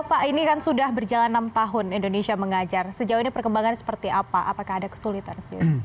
pak ini kan sudah berjalan enam tahun indonesia mengajar sejauh ini perkembangan seperti apa apakah ada kesulitan